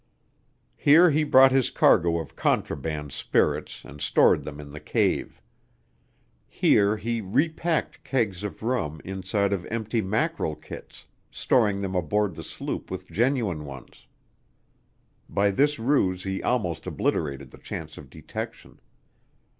Here he brought his cargo of contraband spirits and stored them in the cave. Here he repacked kegs of rum inside of empty mackerel kits, storing them aboard the sloop with genuine ones. By this ruse he almost obliterated the chance of detection.